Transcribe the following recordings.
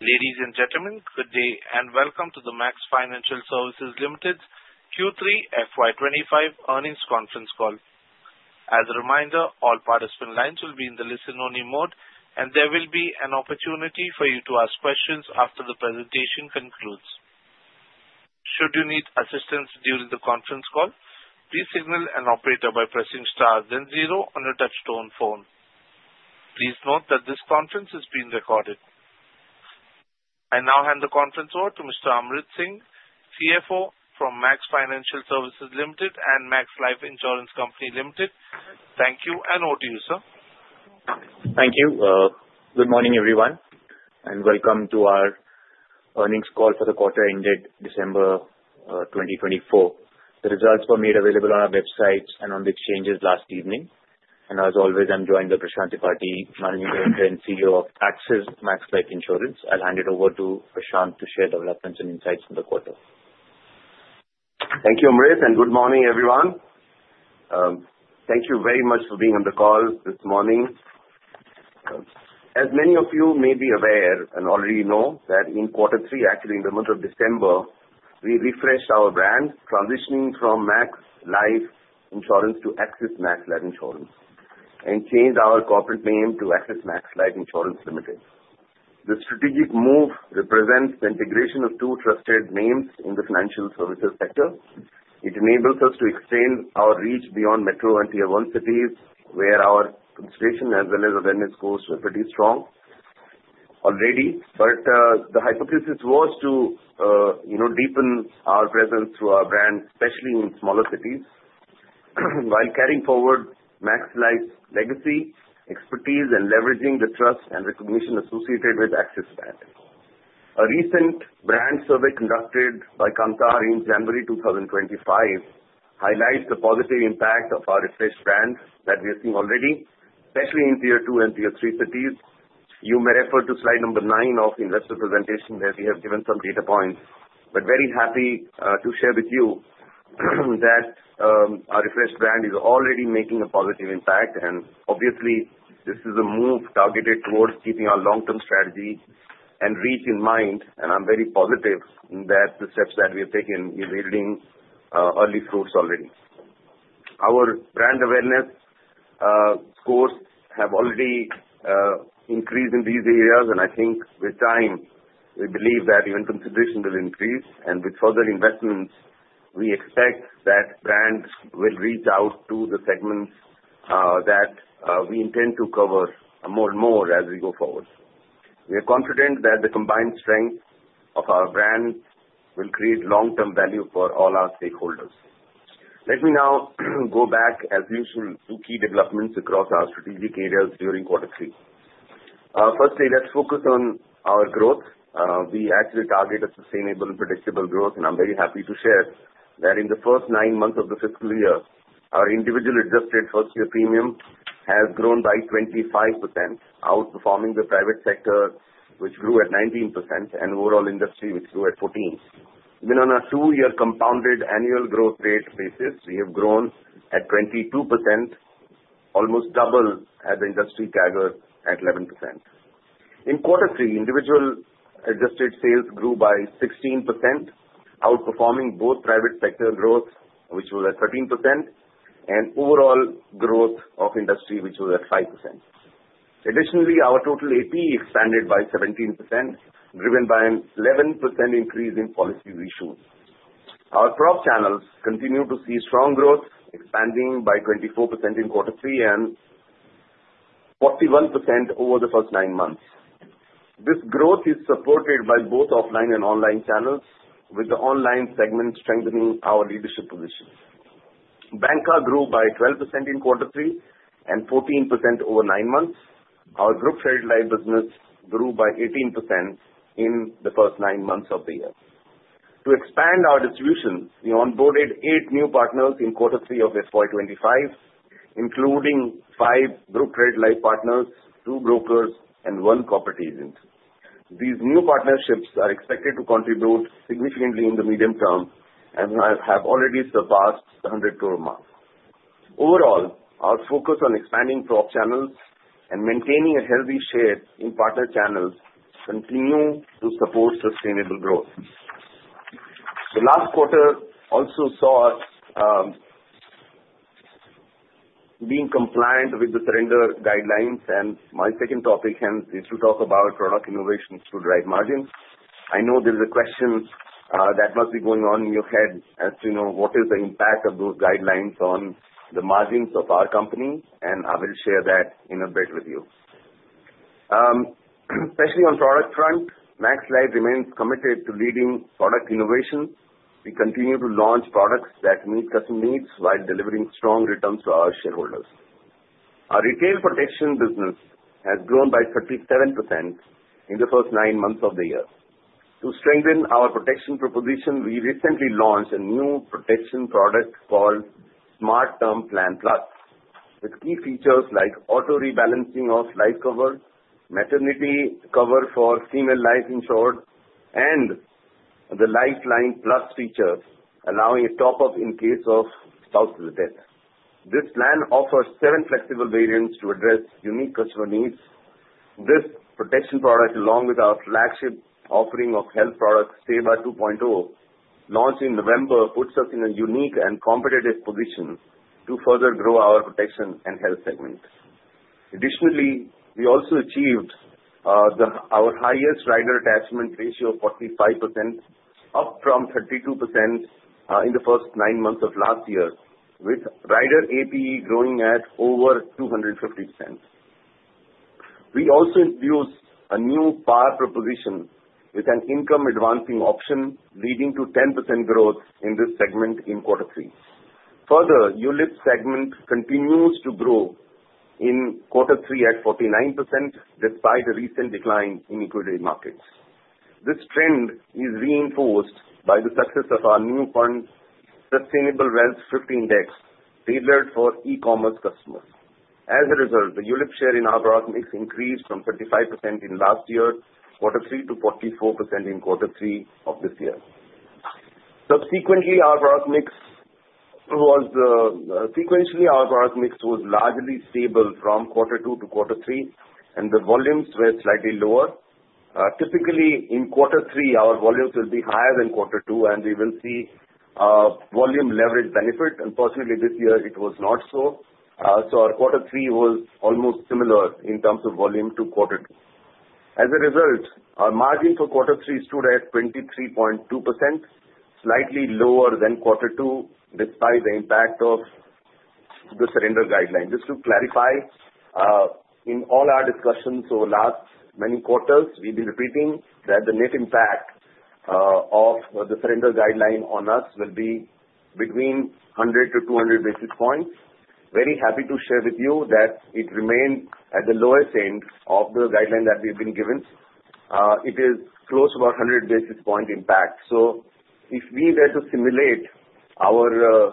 Ladies and gentlemen, good day and welcome to the Max Financial Services Limited Q3 FY 2025 earnings conference call. As a reminder, all participant lines will be in the listen-only mode, and there will be an opportunity for you to ask questions after the presentation concludes. Should you need assistance during the conference call, please signal an operator by pressing star then zero on your touchtone phone. Please note that this conference is being recorded. I now hand the conference over to Mr. Amrit Singh, CFO from Max Financial Services Limited and Max Life Insurance Company Limited. Thank you and over to you, sir. Thank you. Good morning, everyone, and welcome to our earnings call for the quarter ended December 2024. The results were made available on our websites and on the exchanges last evening. And as always, I'm joined by Prashant Tripathy, Managing Director and CEO of Axis Max Life Insurance. I'll hand it over to Prashant to share developments and insights from the quarter. Thank you, Amrit, and good morning, everyone. Thank you very much for being on the call this morning. As many of you may be aware and already know that in quarter three, actually in the month of December, we refreshed our brand, transitioning from Max Life Insurance to Axis Max Life Insurance and changed our corporate name to Axis Max Life Insurance Limited. The strategic move represents the integration of two trusted names in the financial services sector. It enables us to extend our reach beyond metro and tier one cities, where our consideration as well as awareness goes pretty strong already. But the hypothesis was to deepen our presence through our brand, especially in smaller cities, while carrying forward Max Life's legacy, expertise, and leveraging the trust and recognition associated with Axis brand. A recent brand survey conducted by Kantar in January 2025 highlights the positive impact of our refreshed brand that we are seeing already, especially in Tier 2 and Tier 3 cities. You may refer to slide number nine of the investor presentation where we have given some data points, but very happy to share with you that our refreshed brand is already making a positive impact, and obviously, this is a move targeted towards keeping our long-term strategy and reach in mind, and I'm very positive that the steps that we have taken are yielding early fruits already. Our brand awareness scores have already increased in these areas, and I think with time, we believe that even consideration will increase, and with further investments, we expect that brands will reach out to the segments that we intend to cover more and more as we go forward. We are confident that the combined strength of our brand will create long-term value for all our stakeholders. Let me now go back, as usual, to key developments across our strategic areas during quarter three. Firstly, let's focus on our growth. We actually target a sustainable, predictable growth, and I'm very happy to share that in the first nine months of the fiscal year, our individual adjusted first-year premium has grown by 25%, outperforming the private sector, which grew at 19%, and overall industry, which grew at 14%. Even on a two-year compounded annual growth rate basis, we have grown at 22%, almost double as the industry lagged at 11%. In quarter three, individual adjusted sales grew by 16%, outperforming both private sector growth, which was at 13%, and overall growth of industry, which was at 5%. Additionally, our total AP expanded by 17%, driven by an 11% increase in policy issues. Our prop channels continue to see strong growth, expanding by 24% in quarter three and 41% over the first nine months. This growth is supported by both offline and online channels, with the online segment strengthening our leadership position. Bancassurance grew by 12% in quarter three and 14% over nine months. Our group traditional life business grew by 18% in the first nine months of the year. To expand our distribution, we onboarded eight new partners in quarter three of FY 2025, including five group traditional life partners, two brokers, and one corporate agent. These new partnerships are expected to contribute significantly in the medium term and have already surpassed 100 crore a month. Overall, our focus on expanding prop channels and maintaining a healthy share in partner channels continues to support sustainable growth. The last quarter also saw us being compliant with the surrender guidelines, and my second topic is to talk about product innovations to drive margins. I know there's a question that must be going on in your head as to what is the impact of those guidelines on the margins of our company, and I will share that in a bit with you. Especially on the product front, Max Life remains committed to leading product innovation. We continue to launch products that meet customer needs while delivering strong returns to our shareholders. Our retail protection business has grown by 37% in the first nine months of the year. To strengthen our protection proposition, we recently launched a new protection product called Smart Term Plan Plus, with key features like auto-rebalancing of life cover, maternity cover for female life insured, and the lifeline plus feature, allowing a top-up in case of spouse's death. This plan offers seven flexible variants to address unique customer needs. This protection product, along with our flagship offering of health products, S.E.W.A. 2.0, launched in November, puts us in a unique and competitive position to further grow our protection and health segment. Additionally, we also achieved our highest rider attachment ratio of 45%, up from 32% in the first nine months of last year, with rider APE growing at over 250%. We also introduced a new PAR proposition with an income advancing option, leading to 10% growth in this segment in quarter three. Further, ULIP segment continues to grow in quarter three at 49%, despite a recent decline in equity markets. This trend is reinforced by the success of our new fund, Sustainable Wealth 50 Index, tailored for e-commerce customers. As a result, the ULIP share in APE increased from 35% in last year, quarter three to 44% in quarter three of this year. Subsequently, APE was sequentially largely stable from quarter two to quarter three, and the volumes were slightly lower. Typically, in quarter three, our volumes will be higher than quarter two, and we will see volume leverage benefit. Unfortunately, this year, it was not so. So our quarter three was almost similar in terms of volume to quarter two. As a result, our margin for quarter three stood at 23.2%, slightly lower than quarter two, despite the impact of the surrender guideline. Just to clarify, in all our discussions over the last many quarters, we've been repeating that the net impact of the surrender guideline on us will be between 100 to 200 basis points. Very happy to share with you that it remained at the lowest end of the guideline that we've been given. It is close to our 100 basis point impact. So if we were to simulate our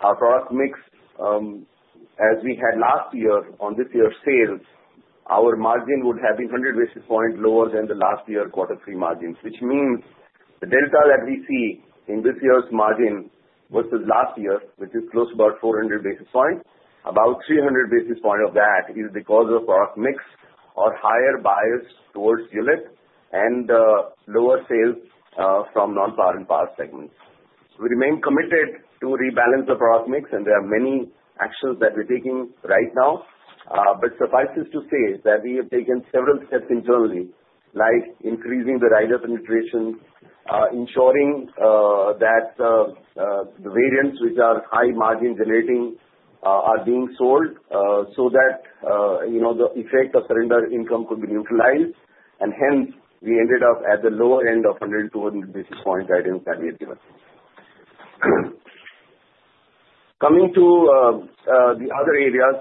product mix as we had last year on this year's sales, our margin would have been 100 basis point lower than the last year quarter three margins, which means the delta that we see in this year's margin versus last year, which is close to about 400 basis points, about 300 basis points of that is because of product mix or higher bias towards ULIP and lower sales from non-PAR and PAR segments. We remain committed to rebalance the product mix, and there are many actions that we're taking right now. But suffice it to say that we have taken several steps internally, like increasing the rider penetration, ensuring that the variants which are high margin generating are being sold so that the effect of surrender income could be neutralized, and hence, we ended up at the lower end of 100-200 basis point guidance that we have given. Coming to the other areas,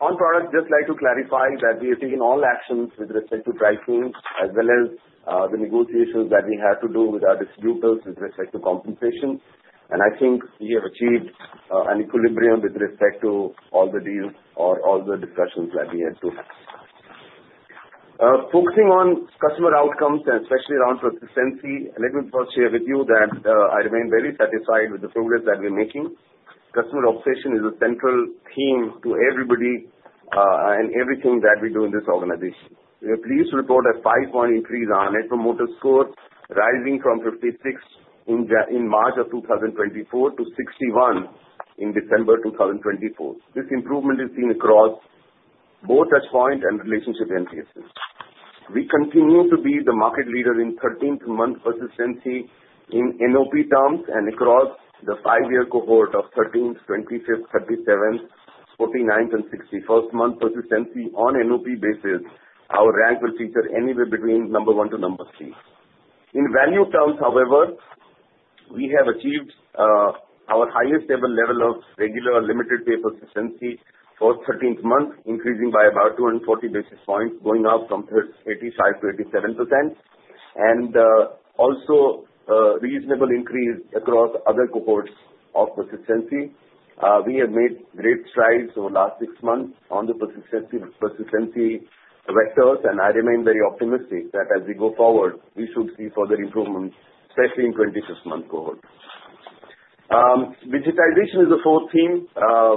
on product, just like to clarify that we have taken all actions with respect to pricing as well as the negotiations that we have to do with our distributors with respect to compensation, and I think we have achieved an equilibrium with respect to all the deals or all the discussions that we had to have. Focusing on customer outcomes and especially around consistency, let me first share with you that I remain very satisfied with the progress that we're making. Customer obsession is a central theme to everybody and everything that we do in this organization. We are pleased to report a 5-point increase on Net Promoter Score, rising from 56 in March of 2024 to 61 in December 2024. This improvement is seen across both touchpoint and relationship entities. We continue to be the market leader in 13th month persistency in NOP terms and across the five-year cohort of 13th, 25th, 37th, 49th, and 61st month persistency on NOP basis. Our rank will feature anywhere between number one to number three. In value terms, however, we have achieved our highest ever level of regular limited-day persistency for 13th month, increasing by about 240 basis points, going up from 85%-87%, and also a reasonable increase across other cohorts of persistency. We have made great strides over the last six months on the persistency vectors, and I remain very optimistic that as we go forward, we should see further improvements, especially in 26-month cohort. Digitization is the fourth theme,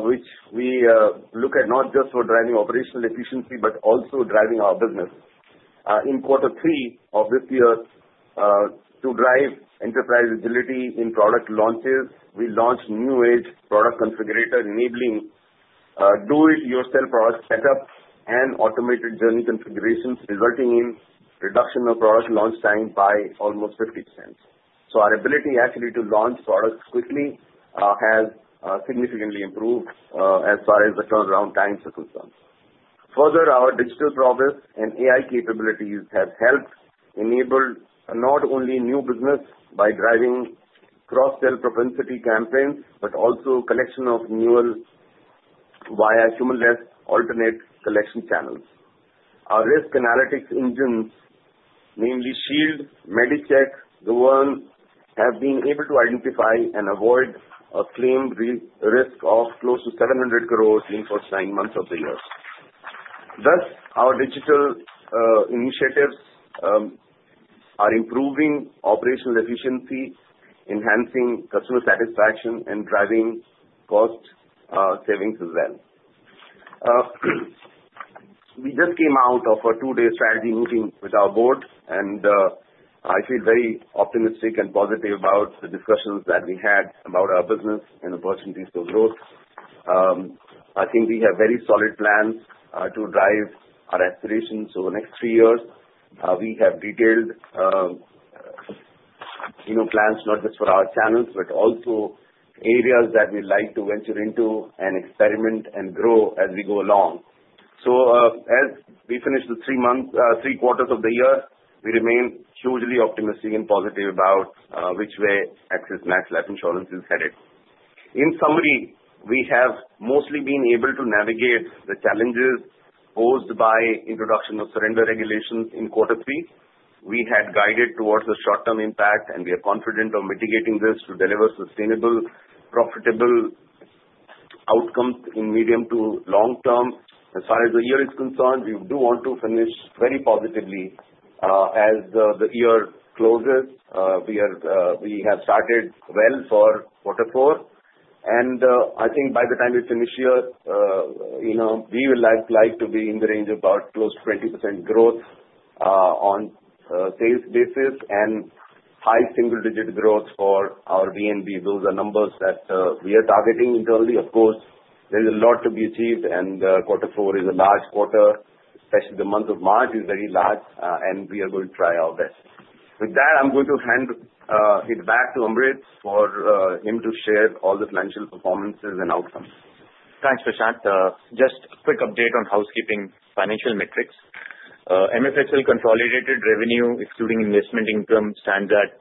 which we look at not just for driving operational efficiency, but also driving our business. In quarter three of this year, to drive enterprise agility in product launches, we launched new-age product configurator enabling do-it-yourself product setup and automated journey configurations, resulting in reduction of product launch time by almost 50%. So our ability actually to launch products quickly has significantly improved as far as the turnaround times are concerned. Further, our digital progress and AI capabilities have helped enable not only new business by driving cross-sale propensity campaigns, but also collection of premiums via humanless alternate collection channels. Our risk analytics engines, namely Shield, MediCheck, the Worm, have been able to identify and avoid a claim risk of close to 700 crore in the first nine months of the year. Thus, our digital initiatives are improving operational efficiency, enhancing customer satisfaction, and driving cost savings as well. We just came out of a two-day strategy meeting with our board, and I feel very optimistic and positive about the discussions that we had about our business and opportunities for growth. I think we have very solid plans to drive our aspirations over the next three years. We have detailed plans not just for our channels, but also areas that we'd like to venture into and experiment and grow as we go along. So as we finish the three quarters of the year, we remain hugely optimistic and positive about which way Axis Max Life Insurance is headed. In summary, we have mostly been able to navigate the challenges posed by the introduction of surrender regulations in quarter three. We had guided towards the short-term impact, and we are confident of mitigating this to deliver sustainable, profitable outcomes in medium to long term. As far as the year is concerned, we do want to finish very positively as the year closes. We have started well for quarter four, and I think by the time we finish here, we would like to be in the range of about close to 20% growth on sales basis and high single-digit growth for our VNB. Those are numbers that we are targeting internally. Of course, there is a lot to be achieved, and quarter four is a large quarter, especially the month of March is very large, and we are going to try our best. With that, I'm going to hand it back to Amrit for him to share all the financial performances and outcomes. Thanks, Prashant. Just a quick update on housekeeping financial metrics. MFSL consolidated revenue, excluding investment income, stands at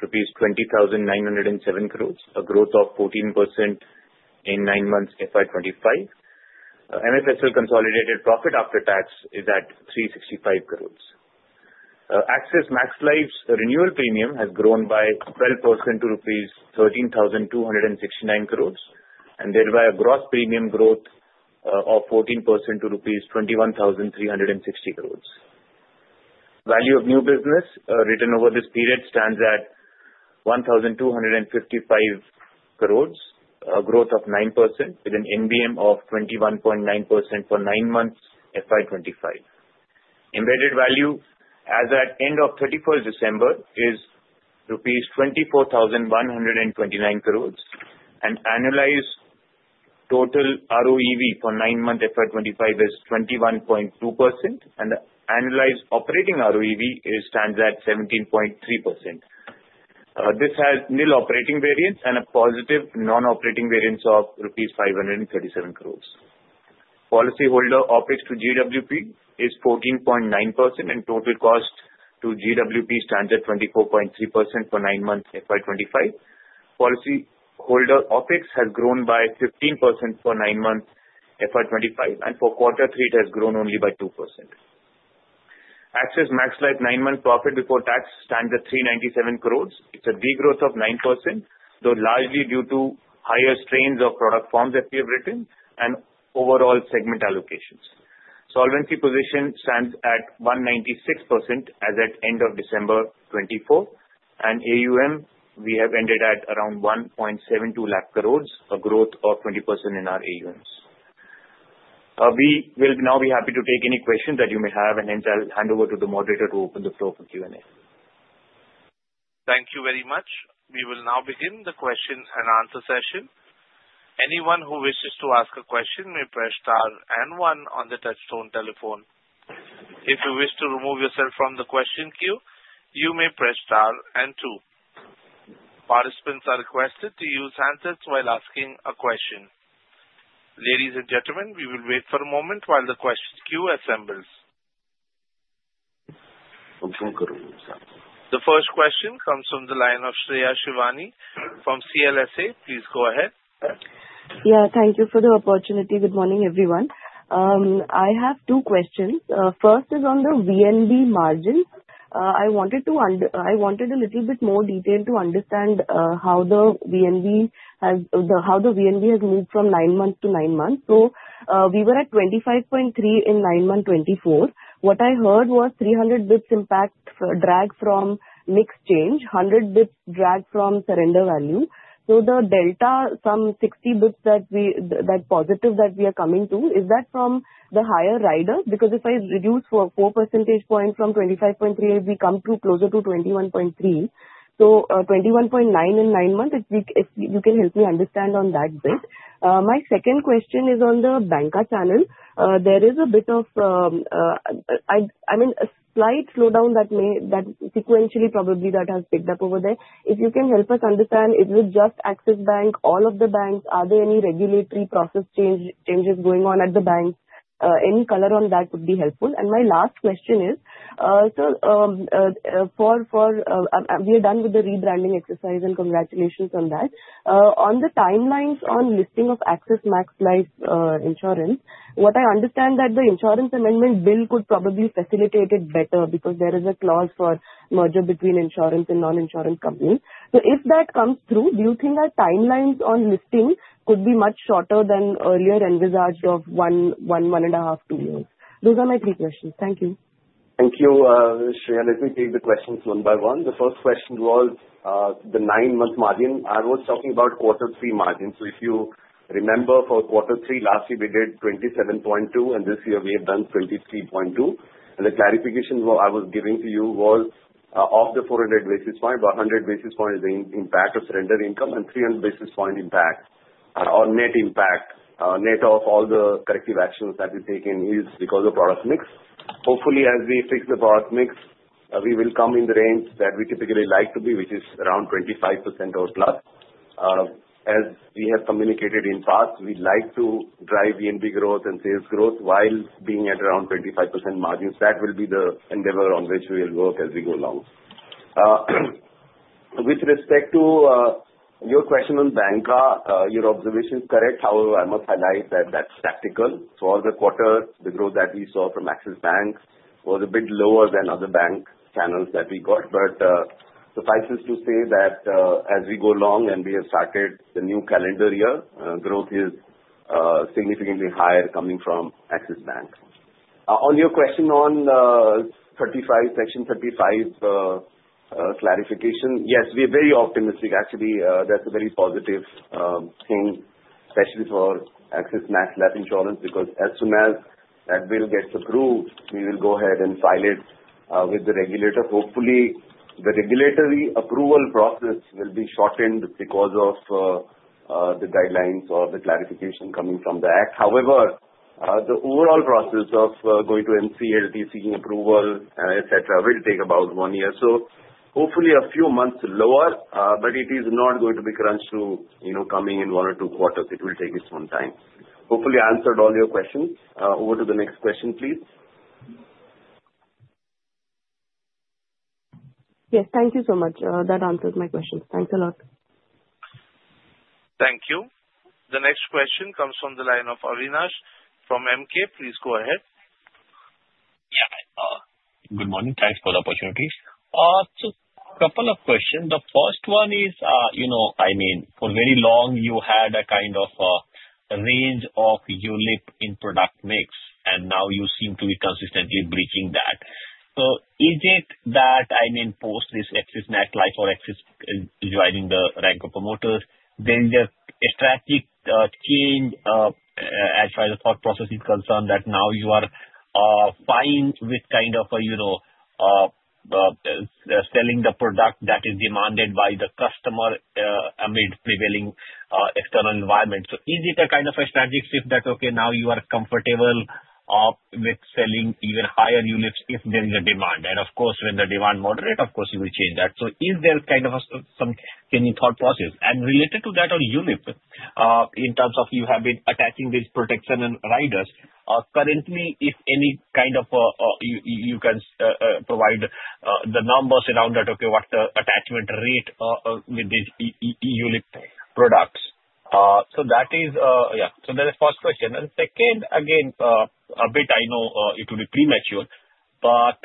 rupees 20,907 crore, a growth of 14% in nine months FY 2025. MFSL consolidated profit after tax is at 365 crore. Axis Max Life's renewal premium has grown by 12% to rupees 13,269 crore, and thereby a gross premium growth of 14% to rupees 21,360 crore. Value of new business written over this period stands at 1,255 crore, a growth of 9% with an NBM of 21.9% for nine months FY 2025. Embedded value as at end of 31st December is rupees 24,129 crores, and annualized total ROEV for nine months FY 2025 is 21.2%, and the annualized operating ROEV stands at 17.3%. This has nil operating variance and a positive non-operating variance of rupees 537 crore. Policyholder OPEX to GWP is 14.9%, and total cost to GWP stands at 24.3% for nine months FY 2025. Policyholder OPEX has grown by 15% for nine months FY 2025, and for quarter three, it has grown only by 2%. Axis Max Life nine-month profit before tax stands at 397 crore. It's a degrowth of 9%, though largely due to higher strains of product forms that we have written and overall segment allocations. Solvency position stands at 196% as at end of December 2024, and AUM we have ended at around 1.72 lakh crore, a growth of 20% in our AUMs. We will now be happy to take any questions that you may have, and hence I'll hand over to the moderator to open the floor for Q&A. Thank you very much. We will now begin the question and answer session. Anyone who wishes to ask a question may press star and one on the touch-tone telephone. If you wish to remove yourself from the question queue, you may press star and two. Participants are requested to use handsets while asking a question. Ladies and gentlemen, we will wait for a moment while the question queue assembles. The first question comes from the line of Shreya Shivani from CLSA. Please go ahead. Yeah, thank you for the opportunity. Good morning, everyone. I have two questions. First is on the VNB margin. I wanted to understand a little bit more detail to understand how the VNB has moved from nine months to nine months. So we were at 25.3% in nine months 2024. What I heard was 300 basis points impact drag from mix change, 100 basis points drag from surrender value. So the delta, some 60 basis points that positive that we are coming to, is that from the higher rider? Because if I reduce for a 4 percentage point from 25.3%, we come to closer to 21.3%. So 21.9% in nine months, if you can help me understand on that bit. My second question is on the bancassurance channel. There is a bit of, I mean, a slight slowdown that sequentially probably that has picked up over there. If you can help us understand, is it just Axis Bank, all of the banks? Are there any regulatory process changes going on at the banks? Any color on that would be helpful. And my last question is, so we are done with the rebranding exercise, and congratulations on that. On the timelines on listing of Axis Max Life Insurance, what I understand is that the insurance amendment bill could probably facilitate it better because there is a clause for merger between insurance and non-insurance companies. So if that comes through, do you think our timelines on listing could be much shorter than earlier in regards of one, one and a half, two years? Those are my three questions. Thank you. Thank you, Shreya. Let me take the questions one by one. The first question was the nine-month margin. I was talking about quarter three margin. So if you remember for quarter three, last year we did 27.2, and this year we have done 23.2. And the clarification I was giving to you was of the 400 basis point. About 100 basis point is the impact of surrender income and 300 basis point impact or net impact, net of all the corrective actions that we've taken, is because of product mix. Hopefully, as we fix the product mix, we will come in the range that we typically like to be, which is around 25% or plus. As we have communicated in past, we'd like to drive VNB growth and sales growth while being at around 25% margin. So that will be the endeavor on which we will work as we go along. With respect to your question on bancassurance, your observation is correct. However, I must highlight that that's tactical. For the quarter, the growth that we saw from Axis Bank was a bit lower than other bank channels that we got. But suffice it to say that as we go along and we have started the new calendar year, growth is significantly higher coming from Axis Bank. On your question on Section 35 clarification, yes, we are very optimistic. Actually, that's a very positive thing, especially for Axis Max Life Insurance, because as soon as that bill gets approved, we will go ahead and file it with the regulator. Hopefully, the regulatory approval process will be shortened because of the guidelines or the clarification coming from the act. However, the overall process of going to NCLT, seeking approval, etc., will take about one year. So hopefully a few months lower, but it is not going to be crunched to coming in one or two quarters. It will take its own time. Hopefully, I answered all your questions. Over to the next question, please. Yes, thank you so much. That answers my questions. Thanks a lot. Thank you. The next question comes from the line of Avinash from Emkay. Please go ahead. Yeah. Good morning. Thanks for the opportunity. Just a couple of questions. The first one is, I mean, for very long, you had a kind of range of ULIP in product mix, and now you seem to be consistently breaching that. So is it that, I mean, post this Axis Max Life or Axis joining the rank of promoters, there is a strategic change as far as the thought process is concerned that now you are fine with kind of selling the product that is demanded by the customer amid prevailing external environment? So is it a kind of a strategic shift that, okay, now you are comfortable with selling even higher ULIPs if there is a demand? And of course, when the demand moderates, of course, you will change that. So is there kind of some changing thought process? And related to that on ULIP, in terms of you have been attaching these protection and riders, currently, if any kind of you can provide the numbers around that, okay, what's the attachment rate with these ULIP products? So that is, yeah. So that is the first question. Second, again, a bit. I know it would be premature, but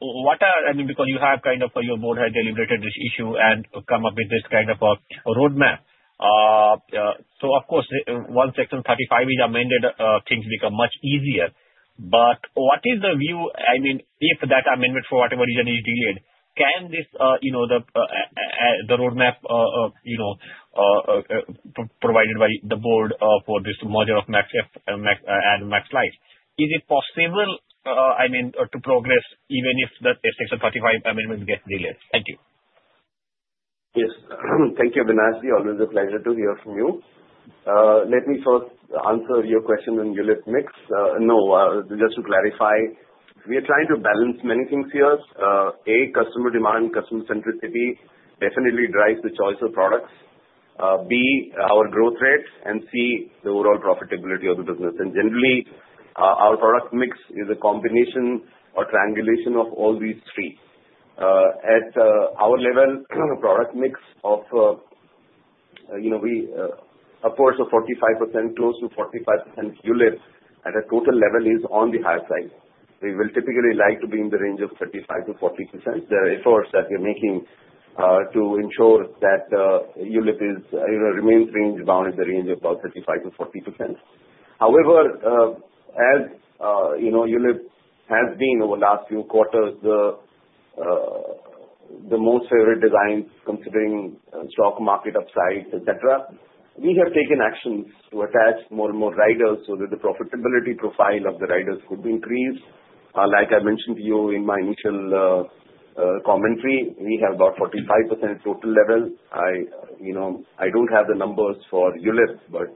what are, I mean, because you have kind of your board has deliberated this issue and come up with this kind of a roadmap. So of course, once Section 35 is amended, things become much easier. But what is the view, I mean, if that amendment for whatever reason is delayed, can the roadmap provided by the board for this merger of Max Life and Max Life? Is it possible, I mean, to progress even if the Section 35 amendment gets delayed? Thank you. Yes. Thank you, Avinash. Always a pleasure to hear from you. Let me first answer your question on ULIP mix. No, just to clarify, we are trying to balance many things here. A, customer demand, customer centricity definitely drives the choice of products. B, our growth rate, and C, the overall profitability of the business. And generally, our product mix is a combination or triangulation of all these three. At our level, product mix of, of course, a 45%, close to 45% ULIP at a total level is on the high side. We will typically like to be in the range of 35%-40%. The efforts that we're making to ensure that ULIP remains ranged around in the range of about 35%-40%. However, as ULIP has been over the last few quarters, the most favorite designs considering stock market upsides, etc., we have taken actions to attach more and more riders so that the profitability profile of the riders could be increased. Like I mentioned to you in my initial commentary, we have about 45% total level. I don't have the numbers for ULIP, but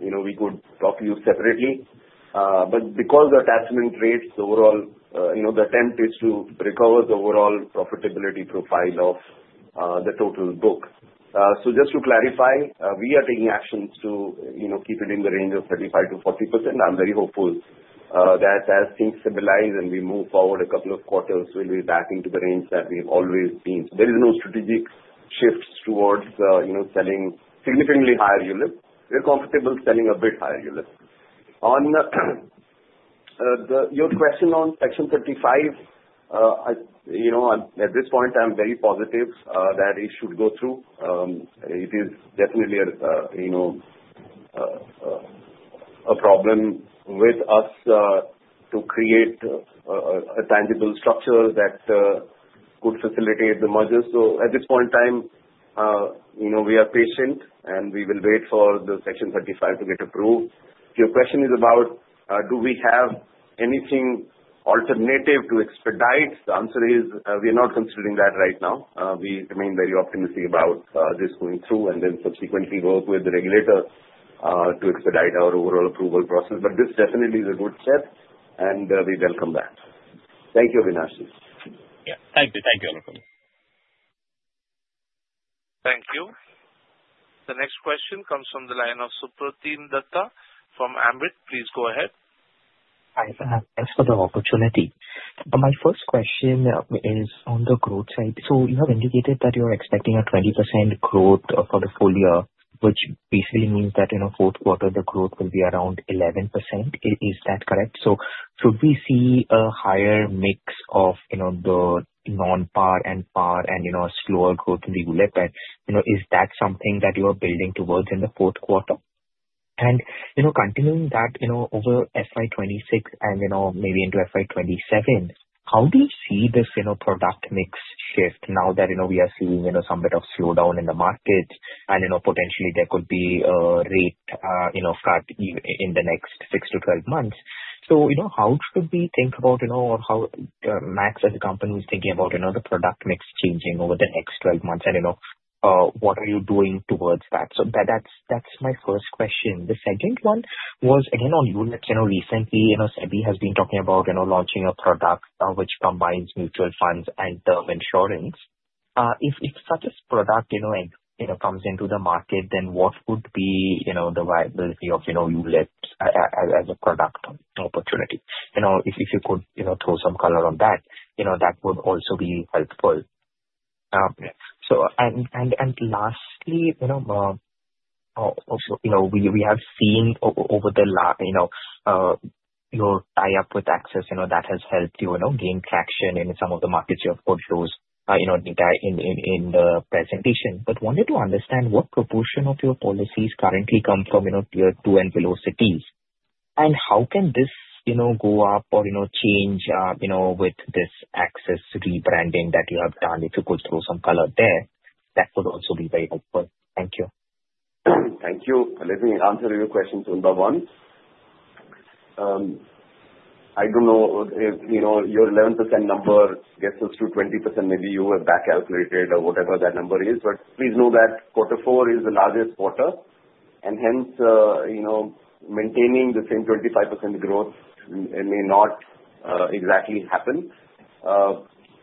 we could talk to you separately. But because the attachment rates, the overall, the attempt is to recover the overall profitability profile of the total book. So just to clarify, we are taking actions to keep it in the range of 35%-40%. I'm very hopeful that as things stabilize and we move forward a couple of quarters, we'll be back into the range that we've always been. There is no strategic shift towards selling significantly higher ULIP. We're comfortable selling a bit higher ULIP. On your question on Section 35, at this point, I'm very positive that it should go through. It is definitely a problem with us to create a tangible structure that could facilitate the mergers. So at this point in time, we are patient, and we will wait for the Section 35 to get approved. Your question is about do we have anything alternative to expedite? The answer is, we are not considering that right now. We remain very optimistic about this going through, and then subsequently work with the regulator to expedite our overall approval process. But this definitely is a good step, and we welcome that. Thank you, Avinash. Yeah. Thank you. Thank you. Thank you. The next question comes from the line of Supratim Datta from Ambit. Please go ahead. Hi, Avinash. Thanks for the opportunity. My first question is on the growth side. So you have indicated that you're expecting a 20% growth for the full year, which basically means that in a fourth quarter, the growth will be around 11%. Is that correct? So should we see a higher mix of the non-PAR and PAR and a slower growth in the ULIP? And is that something that you are building towards in the fourth quarter? And continuing that over FY 2026 and maybe into FY 2027, how do you see this product mix shift now that we are seeing some bit of slowdown in the markets and potentially there could be a rate cut in the next 6-12 months? So how should we think about or how Max as a company is thinking about the product mix changing over the next 12 months? And what are you doing towards that? So that's my first question. The second one was, again, on ULIP. Recently, SEBI has been talking about launching a product which combines mutual funds and term insurance. If such a product comes into the market, then what would be the viability of ULIP as a product opportunity? If you could throw some color on that, that would also be helpful. And lastly, we have seen over the tie-up with Axis that has helped you gain traction in some of the markets you have portrayed in the presentation. But wanted to understand what proportion of your policies currently come from Tier 2 and below cities? And how can this go up or change with this Axis rebranding that you have done? If you could throw some color there, that would also be very helpful. Thank you. Thank you. Let me answer your questions one by one. I don't know if your 11% number gets us to 20%. Maybe you have back-calculated or whatever that number is. But please know that quarter four is the largest quarter. And hence, maintaining the same 25% growth may not exactly happen.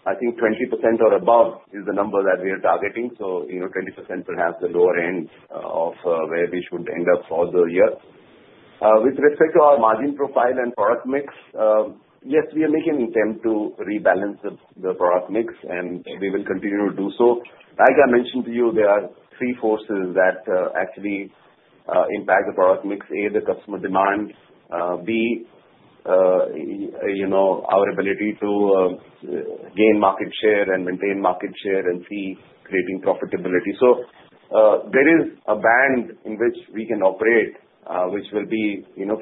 I think 20% or above is the number that we are targeting. So 20% perhaps the lower end of where we should end up for the year. With respect to our margin profile and product mix, yes, we are making an attempt to rebalance the product mix, and we will continue to do so. Like I mentioned to you, there are three forces that actually impact the product mix. A, the customer demand. B, our ability to gain market share and maintain market share and see creating profitability. So there is a band in which we can operate, which will be 5%-7%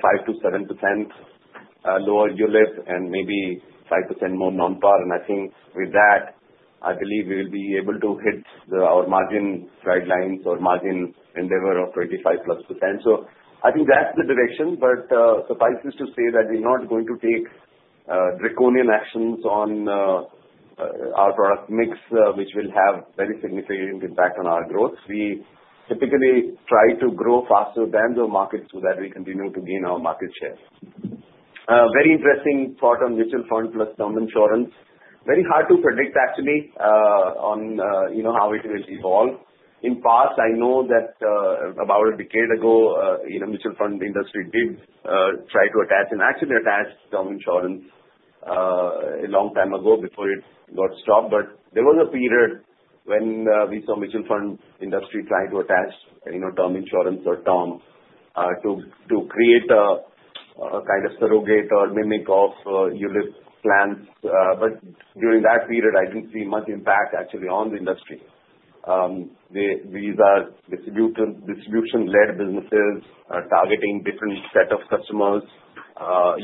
lower ULIP and maybe 5% more Non-PAR. And I think with that, I believe we will be able to hit our margin guidelines or margin endeavor of 25% plus. So I think that's the direction. But suffice it to say that we're not going to take draconian actions on our product mix, which will have very significant impact on our growth. We typically try to grow faster than the market so that we continue to gain our market share. Very interesting thought on mutual fund plus term insurance. Very hard to predict, actually, on how it will evolve. In past, I know that about a decade ago, the mutual fund industry did try to attach and actually attached term insurance a long time ago before it got stopped. But there was a period when we saw mutual fund industry trying to attach term insurance or term to create a kind of surrogate or mimic of ULIP plans. But during that period, I didn't see much impact actually on the industry. These are distribution-led businesses targeting different sets of customers,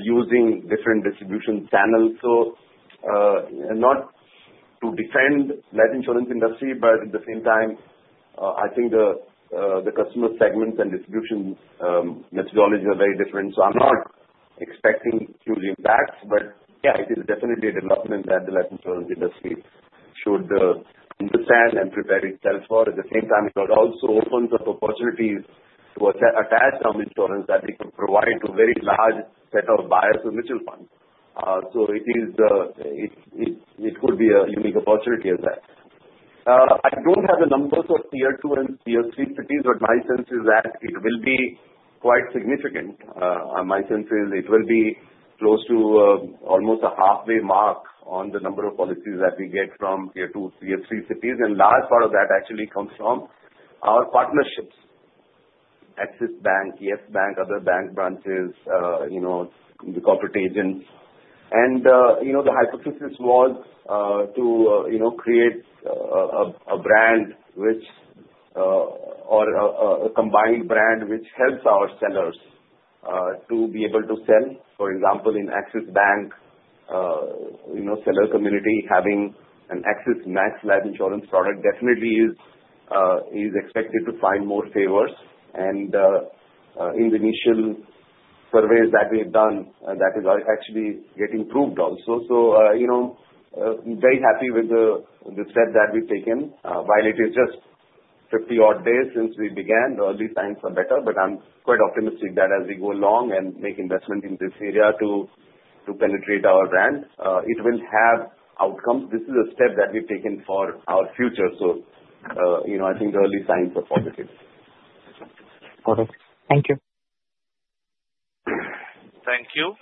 using different distribution channels. So not to defend the life insurance industry, but at the same time, I think the customer segments and distribution methodologies are very different. So I'm not expecting huge impacts. But yeah, it is definitely a development that the life insurance industry should understand and prepare itself for. At the same time, it also opens up opportunities to attach term insurance that they could provide to a very large set of buyers of mutual funds. So it could be a unique opportunity as well. I don't have the numbers of Tier 2 and Tier 3 cities, but my sense is that it will be quite significant. My sense is it will be close to almost a halfway mark on the number of policies that we get from Tier 2, Tier 3 cities. A large part of that actually comes from our partnerships: Axis Bank, Yes Bank, other bank branches, the corporate agents. The hypothesis was to create a brand or a combined brand which helps our sellers to be able to sell. For example, in Axis Bank, seller community having an Axis Max Life Insurance product definitely is expected to find more favors. In the initial surveys that we have done, that is actually getting proved also. Very happy with the step that we've taken. While it is just 50-odd days since we began, the early signs are better. I'm quite optimistic that as we go along and make investment in this area to penetrate our brand, it will have outcomes. This is a step that we've taken for our future. I think the early signs are positive. Got it. Thank you. Thank you.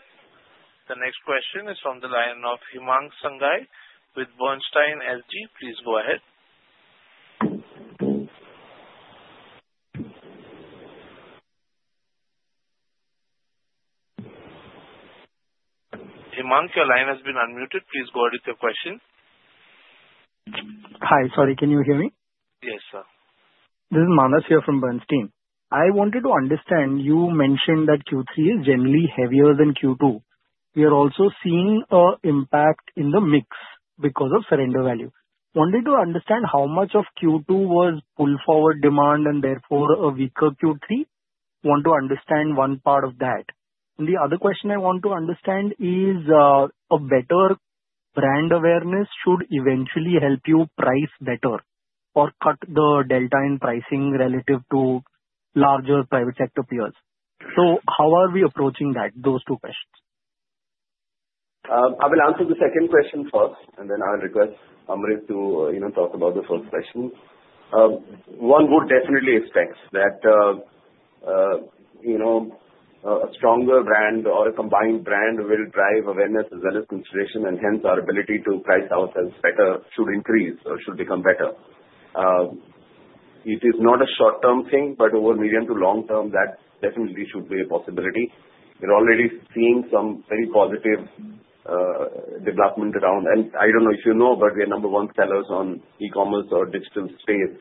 The next question is from the line of Himanshu Sanghai with Bernstein. Please go ahead. Himanshu, your line has been unmuted. Please go ahead with your question. Hi. Sorry, can you hear me? Yes, sir. This is Manas here from Bernstein. I wanted to understand. You mentioned that Q3 is generally heavier than Q2. We are also seeing an impact in the mix because of surrender value. Wanted to understand how much of Q2 was pull-forward demand and therefore a weaker Q3. Want to understand one part of that. And the other question I want to understand is a better brand awareness should eventually help you price better or cut the delta in pricing relative to larger private sector peers. So how are we approaching those two questions? I will answer the second question first, and then I'll request Amrit to talk about the first question. One would definitely expect that a stronger brand or a combined brand will drive awareness as well as consideration, and hence our ability to price ourselves better should increase or should become better. It is not a short-term thing, but over medium to long term, that definitely should be a possibility. We're already seeing some very positive development around. And I don't know if you know, but we are number one sellers on e-commerce or digital space,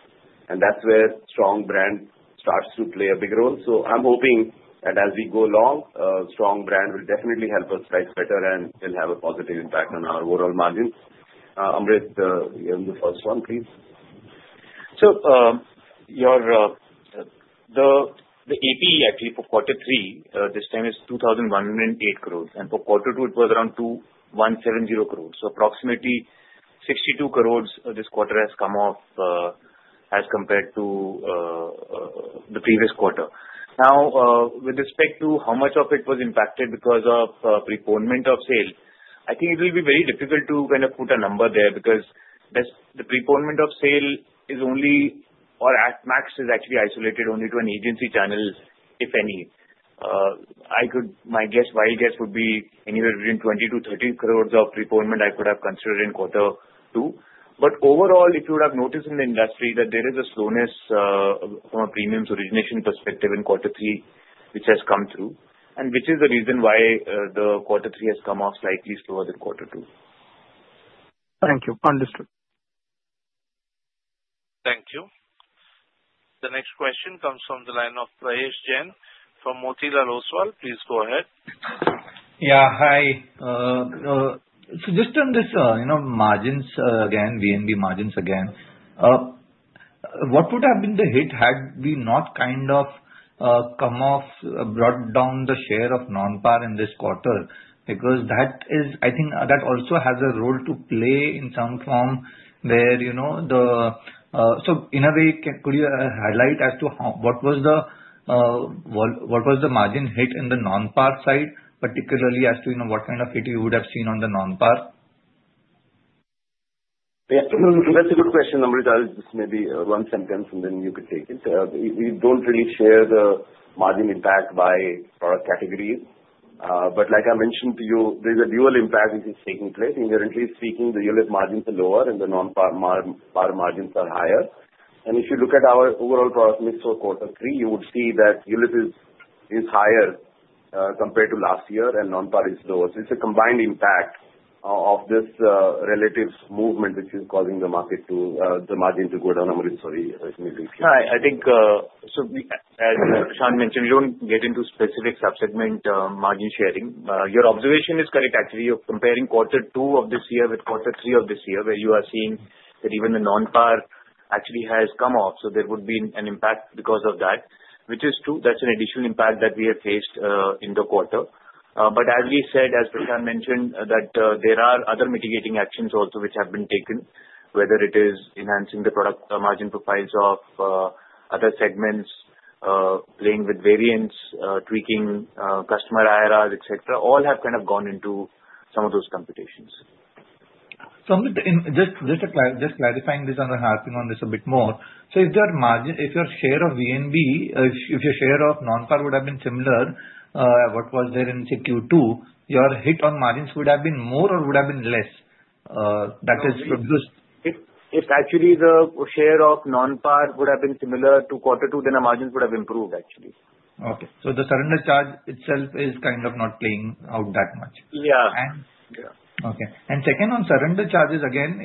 and that's where strong brand starts to play a big role. So I'm hoping that as we go along, a strong brand will definitely help us price better and will have a positive impact on our overall margins. Amrit, you have the first one, please. So the AP actually for quarter three, this time is 2,108 crore. And for quarter two, it was around 2,170 crore. So approximately 62 crore this quarter has come off as compared to the previous quarter. Now, with respect to how much of it was impacted because of preponement of sale, I think it will be very difficult to kind of put a number there because the preponement of sale is only, or at max, is actually isolated only to an agency channel, if any. My guess, wild guess, would be anywhere between 20-30 crores of preponement I could have considered in quarter two. But overall, if you would have noticed in the industry that there is a slowness from a premium origination perspective in quarter three, which has come through, and which is the reason why the quarter three has come off slightly slower than quarter two. Thank you. Understood. Thank you. The next question comes from the line of Prayesh Jain from Motilal Oswal. Please go ahead. Yeah. Hi. So just on this margins again, VNB margins again, what would have been the hit had we not kind of come off, brought down the share of non-PAR in this quarter? Because I think that also has a role to play in some form where the so in a way, could you highlight as to what was the margin hit in the non-PAR side, particularly as to what kind of hit you would have seen on the non-PAR? That's a good question, Amrit. I'll just maybe one sentence, and then you could take it. We don't really share the margin impact by product categories. But like I mentioned to you, there's a dual impact which is taking place. Inherently speaking, the ULIP margins are lower and the non-PAR margins are higher. If you look at our overall product mix for quarter three, you would see that ULIP is higher compared to last year and non-PAR is lower. It's a combined impact of this relative movement which is causing the margin to go down. Amrit, sorry. I think, so as Sean mentioned, we don't get into specific subsegment margin sharing. Your observation is correct, actually. You're comparing quarter two of this year with quarter three of this year where you are seeing that even the non-PAR actually has come off. There would be an impact because of that, which is true. That's an additional impact that we have faced in the quarter. As we said, as Sean mentioned, that there are other mitigating actions also which have been taken, whether it is enhancing the product margin profiles of other segments, playing with variants, tweaking customer IRRs, etc. All have kind of gone into some of those computations. So just clarifying this and harping on this a bit more. So if your share of VNB, if your share of non-PAR would have been similar, what was there in Q2, your hit on margins would have been more or would have been less? That is just. If actually the share of non-PAR would have been similar to quarter two, then our margins would have improved, actually. Okay. So the surrender charge itself is kind of not playing out that much. Yeah. Okay. And second, on surrender charges, again,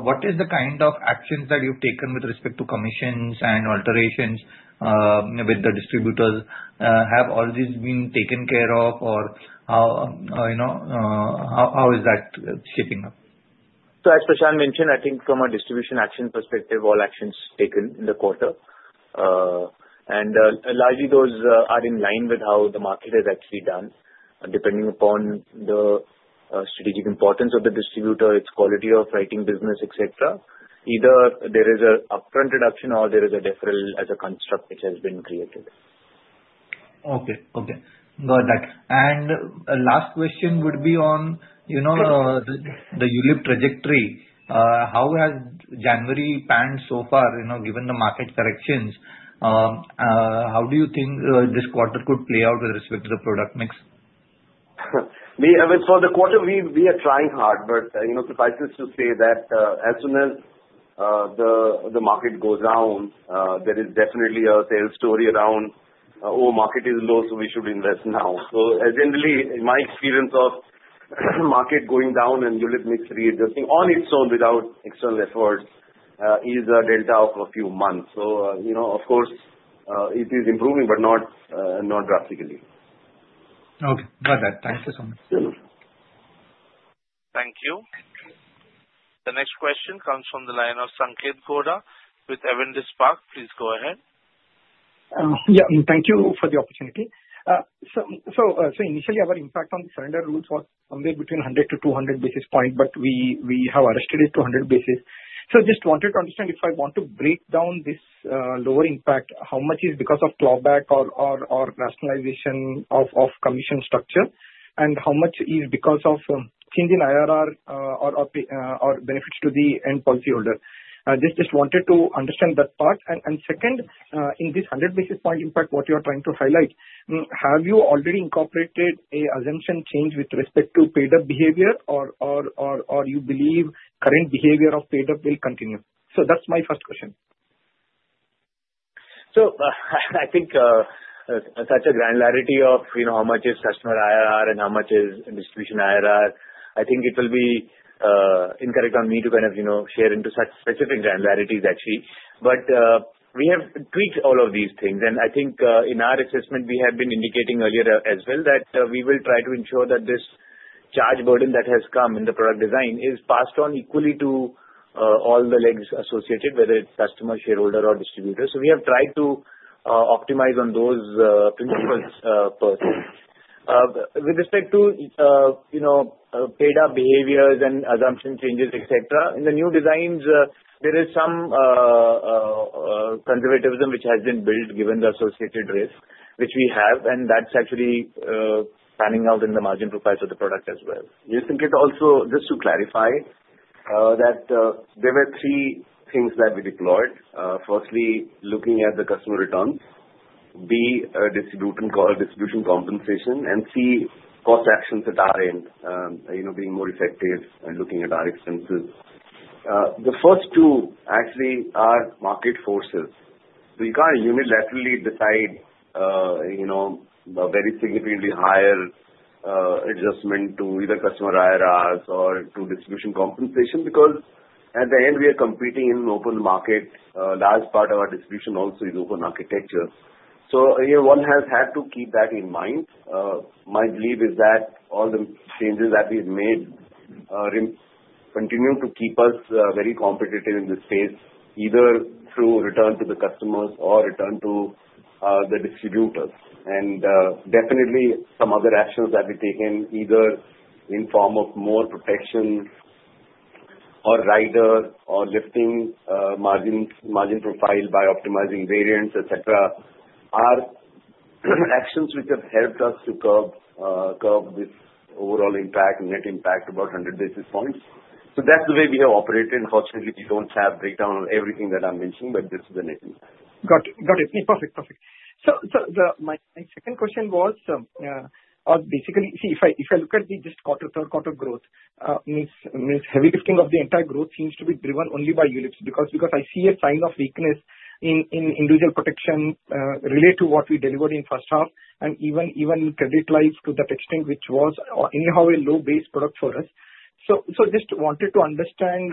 what is the kind of actions that you've taken with respect to commissions and alterations with the distributors? Have all these been taken care of, or how is that shaping up? So as Prashant mentioned, I think from a distribution action perspective, all actions taken in the quarter. And largely, those are in line with how the market has actually done, depending upon the strategic importance of the distributor, its quality of writing business, etc. Either there is an upfront reduction or there is a deferral as a construct which has been created. Okay. Okay. Got that. And last question would be on the ULIP trajectory. How has January panned out so far? Given the market corrections, how do you think this quarter could play out with respect to the product mix? For the quarter, we are trying hard, but suffice it to say that as soon as the market goes down, there is definitely a sales story around, "Oh, market is low, so we should invest now." So generally, my experience of market going down and ULIP mix readjusting on its own without external efforts is a delta of a few months. So of course, it is improving, but not drastically. Okay. Got that. Thank you so much. Thank you. The next question comes from the line of Sanketh Godha with Avendus Spark. Please go ahead. Yeah. Thank you for the opportunity. So initially, our impact on surrender rules was somewhere between 100 to 200 basis points, but we have adjusted it to 100 basis. So I just wanted to understand if I want to break down this lower impact, how much is because of clawback or rationalization of commission structure, and how much is because of changing IRR or benefits to the end policyholder. Just wanted to understand that part. And second, in this 100 basis point impact, what you are trying to highlight, have you already incorporated an assumption change with respect to paid-up behavior, or you believe current behavior of paid-up will continue? So that's my first question. I think such a granularity of how much is customer IRR and how much is distribution IRR, I think it will be incorrect on me to kind of share into such specific granularities, actually. But we have tweaked all of these things. I think in our assessment, we have been indicating earlier as well that we will try to ensure that this charge burden that has come in the product design is passed on equally to all the legs associated, whether it's customer, shareholder, or distributor. We have tried to optimize on those principles first. With respect to paid-up behaviors and assumption changes, etc., in the new designs, there is some conservatism which has been built given the associated risk, which we have, and that's actually panning out in the margin profiles of the product as well. You think it also, just to clarify, that there were three things that we deployed. Firstly, looking at the customer returns, B, distribution compensation, and C, cost actions at our end, being more effective and looking at our expenses. The first two actually are market forces. We can't unilaterally decide a very significantly higher adjustment to either customer IRRs or to distribution compensation because at the end, we are competing in open market. A large part of our distribution also is open architecture. So one has had to keep that in mind. My belief is that all the changes that we've made continue to keep us very competitive in this space, either through return to the customers or return to the distributors. And definitely, some other actions that we've taken, either in form of more protection or rider or lifting margin profile by optimizing variants, etc., are actions which have helped us to curb this overall impact, net impact, about 100 basis points. So that's the way we have operated. Unfortunately, we don't have breakdown on everything that I'm mentioning, but this is the net impact. Got it. Got it. Perfect. Perfect. So my second question was basically, see, if I look at the third quarter growth, the heavy lifting of the entire growth seems to be driven only by ULIPs because I see a sign of weakness in individual protection related to what we delivered in first half and even credit life to that extent, which was anyhow a low base product for us. So just wanted to understand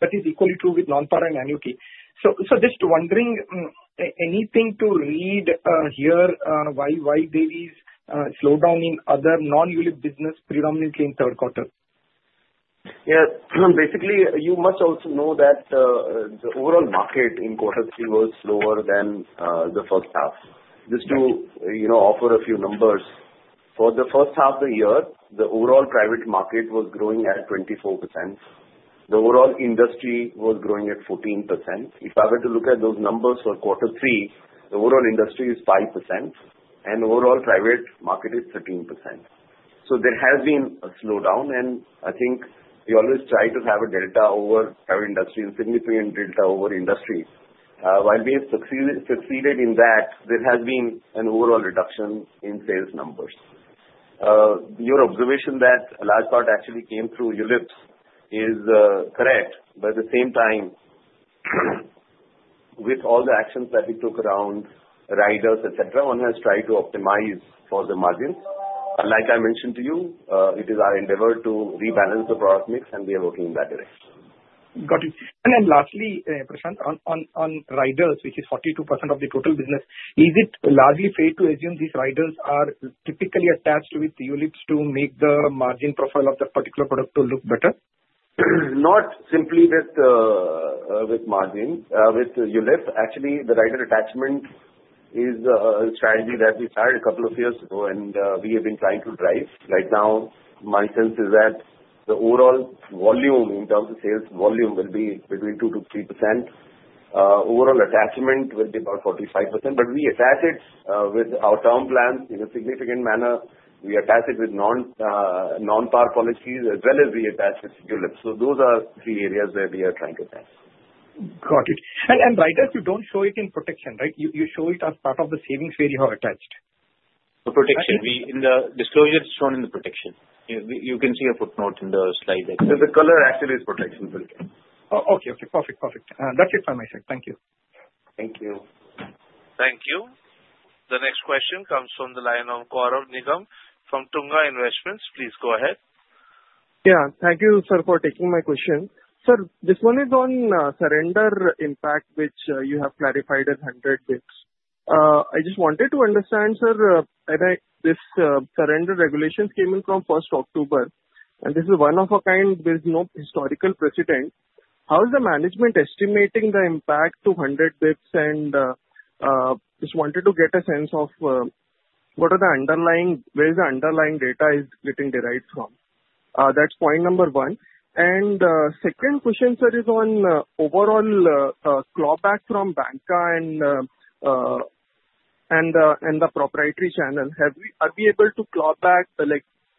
that is equally true with non-PAR and NUK. So just wondering, anything to read here why there is slowdown in other non-ULIP business predominantly in third quarter? Yeah. Basically, you must also know that the overall market in quarter three was slower than the first half. Just to offer a few numbers, for the first half of the year, the overall private market was growing at 24%. The overall industry was growing at 14%. If I were to look at those numbers for quarter three, the overall industry is 5%, and overall private market is 13%. So there has been a slowdown, and I think we always try to have a delta over private industry and significant delta over industry. While we have succeeded in that, there has been an overall reduction in sales numbers. Your observation that a large part actually came through ULIPs is correct. But at the same time, with all the actions that we took around riders, etc., one has tried to optimize for the margins. Like I mentioned to you, it is our endeavor to rebalance the product mix, and we are working in that direction. Got it. And then lastly, Prashant, on riders, which is 42% of the total business, is it largely fair to assume these riders are typically attached with ULIPs to make the margin profile of that particular product look better? Not simply with margins, with ULIP. Actually, the rider attachment is a strategy that we started a couple of years ago, and we have been trying to drive. Right now, my sense is that the overall volume in terms of sales volume will be between 2% to 3%. Overall attachment will be about 45%, but we attach it with our term plans in a significant manner. We attach it with non-PAR policies as well as we attach it to ULIPs. So those are three areas where we are trying to attach. Got it. And riders, you don't show it in protection, right? You show it as part of the savings where you have attached. The protection. In the disclosure, it's shown in the protection. You can see a footnote in the slide that. The color actually is protection. Okay. Okay. Perfect. Perfect. That's it from my side. Thank you. Thank you. Thank you. The next question comes from the line of Gaurav Nigam from Tunga Investments. Please go ahead. Yeah. Thank you, sir, for taking my question. Sir, this one is on surrender impact, which you have clarified as 100 basis points. I just wanted to understand, sir, this surrender regulation came in from 1st October, and this is one of a kind. There's no historical precedent. How is the management estimating the impact to 100 basis points? And just wanted to get a sense of what are the underlying where the data is getting derived from. That's point number one. And second question, sir, is on overall clawback from banca and the proprietary channel. Are we able to claw back,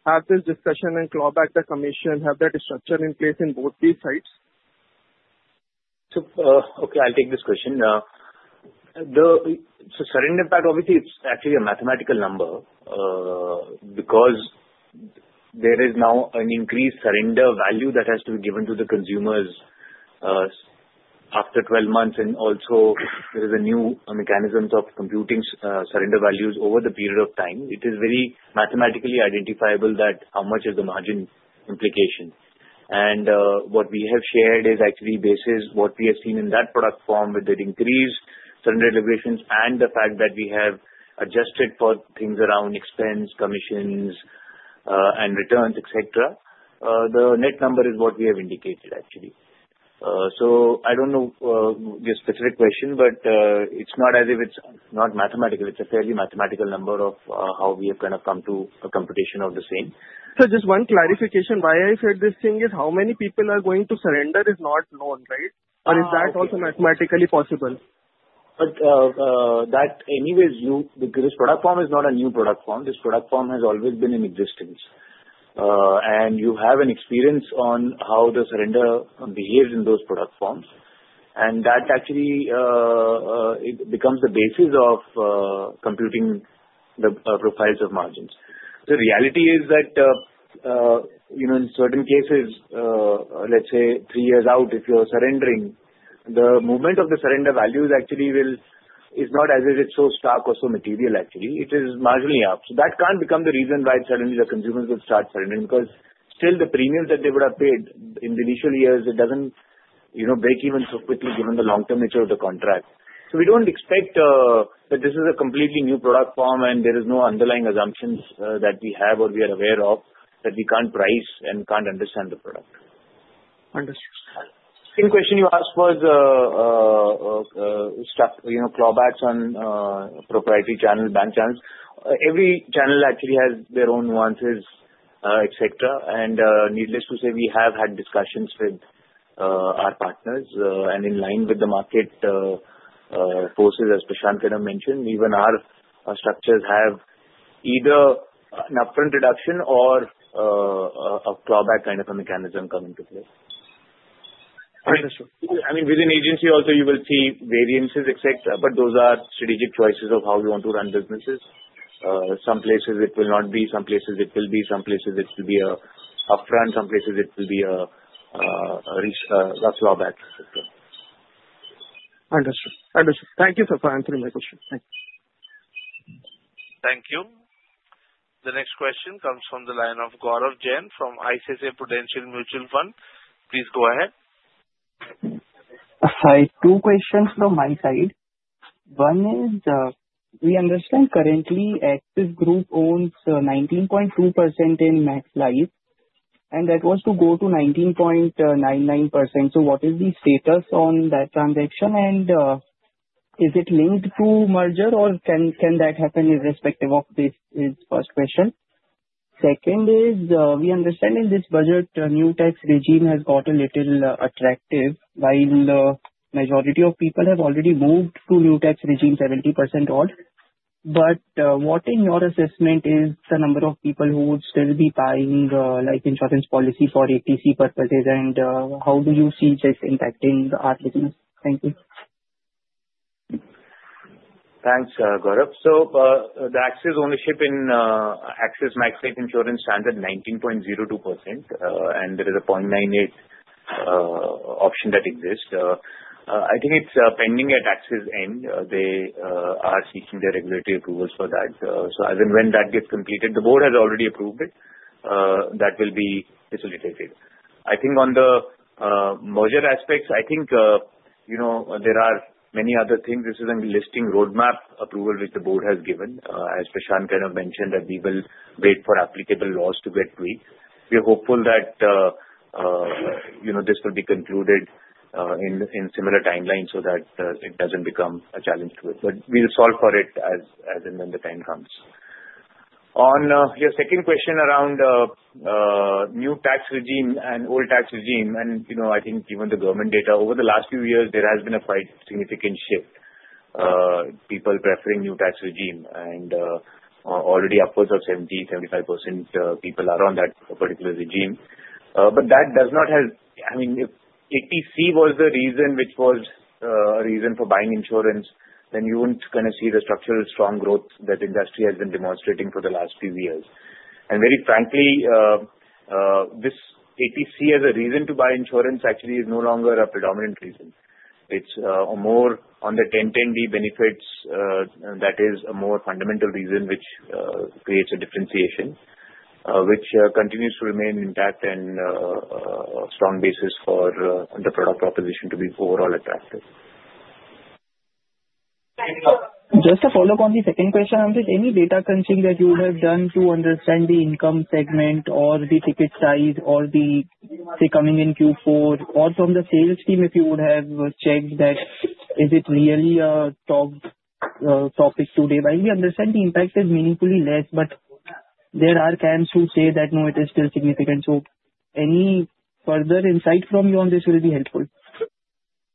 have this discussion, and claw back the commission, have that structure in place in both these sides? Okay. I'll take this question. So surrender impact, obviously, it's actually a mathematical number because there is now an increased surrender value that has to be given to the consumers after 12 months. And also, there is a new mechanism of computing surrender values over the period of time. It is very mathematically identifiable that how much is the margin implication. What we have shared is actually based on what we have seen in that product form with the increased surrender expectations and the fact that we have adjusted for things around expenses, commissions, and returns, etc. The net number is what we have indicated, actually. So I don't know your specific question, but it's not as if it's not mathematical. It's a fairly mathematical matter of how we have kind of come to a computation of the same. So just one clarification. Why I said this thing is how many people are going to surrender is not known, right? Or is that also mathematically possible? But anyway, this product form is not a new product form. This product form has always been in existence. And you have an experience on how the surrender behaves in those product forms. That actually becomes the basis of computing the profiles of margins. The reality is that in certain cases, let's say three years out, if you're surrendering, the movement of the surrender value actually is not as if it's so stark or so material, actually. It is marginally up. So that can't become the reason why suddenly the consumers will start surrendering because still the premium that they would have paid in the initial years, it doesn't break even so quickly given the long-term nature of the contract. So we don't expect that this is a completely new product form and there is no underlying assumptions that we have or we are aware of that we can't price and can't understand the product. Understood. Second question you asked was clawbacks on proprietary channel, bank channels. Every channel actually has their own nuances, etc. Needless to say, we have had discussions with our partners and in line with the market forces, as Prashant kind of mentioned. Even our structures have either an upfront reduction or a clawback kind of a mechanism come into place. Understood. I mean, within agency also, you will see variances, etc., but those are strategic choices of how we want to run businesses. Some places it will not be, some places it will be, some places it will be upfront, some places it will be a clawback, etc. Understood. Understood. Thank you for answering my question. Thank you. Thank you. The next question comes from the line of Gaurav Jain from ICICI Prudential Mutual Fund. Please go ahead. Hi. Two questions from my side. One is we understand currently Axis Group owns 19.2% in Max Life, and that was to go to 19.99%. What is the status on that transaction, and is it linked to merger, or can that happen irrespective of this? This is first question. Second is we understand in this budget, new tax regime has gotten a little attractive while the majority of people have already moved to new tax regime 70% old. But what in your assessment is the number of people who would still be buying insurance policy for ATC purposes, and how do you see this impacting our business? Thank you. Thanks, Gaurav. The Axis ownership in Axis Max Life Insurance stands at 19.02%, and there is a 0.98% option that exists. I think it's pending at Axis end. They are seeking their regulatory approvals for that. So as and when that gets completed, the board has already approved it. That will be facilitated. I think on the merger aspects, I think there are many other things. This is a listing roadmap approval which the board has given. As Prashant kind of mentioned, that we will wait for applicable laws to get tweaked. We are hopeful that this will be concluded in similar timeline so that it doesn't become a challenge to it. But we will solve for it as and when the time comes. On your second question around new tax regime and old tax regime, and I think even the government data, over the last few years, there has been a quite significant shift, people preferring new tax regime. And already upwards of 70%-75% people are on that particular regime. But that does not have I mean, if ATC was the reason which was a reason for buying insurance, then you wouldn't kind of see the structural strong growth that industry has been demonstrating for the last few years. Very frankly, this ATC as a reason to buy insurance actually is no longer a predominant reason. It's more on the 10(10D) benefits that is a more fundamental reason which creates a differentiation, which continues to remain intact and a strong basis for the product proposition to be overall attractive. Just to follow up on the second question, Amrit, any data crunching that you would have done to understand the income segment or the ticket size or the coming in Q4 or from the sales team if you would have checked that is it really a top topic today? While we understand the impact is meaningfully less, but there are camps who say that no, it is still significant. So any further insight from you on this will be helpful.